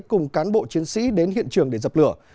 cùng cán bộ chiến sĩ đến hiện trường để dập lửa